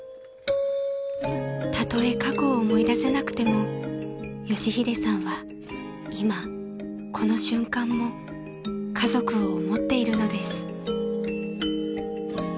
［たとえ過去を思い出せなくても佳秀さんは今この瞬間も家族を思っているのです］